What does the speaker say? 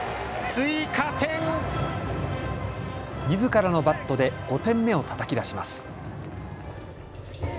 みずからのバットで５点目をたたき出します。